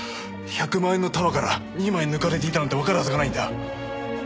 １００万円の束から２枚抜かれていたなんてわかるはずがないんだ。